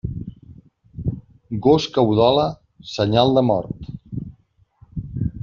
Gos que udola, senyal de mort.